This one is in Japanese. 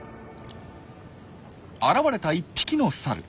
現れた１匹のサル。